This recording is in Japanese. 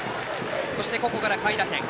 そして、ここから下位打線。